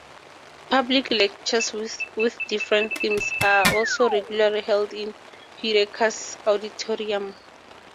Public lectures with different themes are also regularly held in Heureka's auditorium.